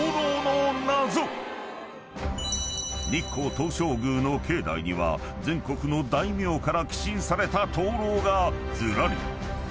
［日光東照宮の境内には全国の大名から寄進された灯籠がずらり］